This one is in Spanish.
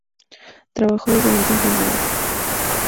Trabajó desde muy temprana edad.